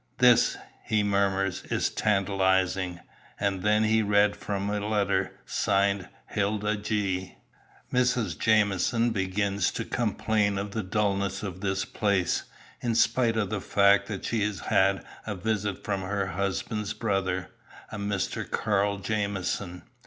"This," he murmurs, "is tantalising." And then he read from a letter, signed "Hilda G ." "Mrs. Jamieson begins to complain of the dullness of this place, in spite of the fact that she has had a visit from her husband's brother, a Mr. Carl Jamieson.